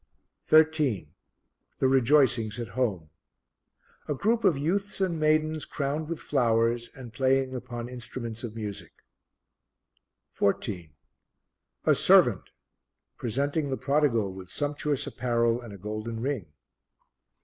13. The Rejoicings at Home. A group of youths and maidens crowned with flowers and playing upon instruments of music. 14. A Servant presenting the prodigal with sumptuous apparel and a golden ring.